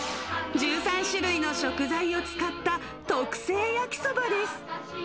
１３種類の食材を使った特製焼きそばです。